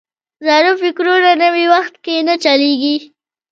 زاړه فکرونه نوي وخت کې نه چلیږي.